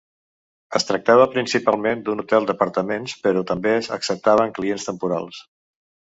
Es tractava principalment d'un hotel d'apartaments, però també acceptaven clients temporals.